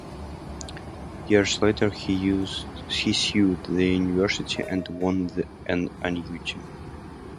Years later he sued the university and won an annuity.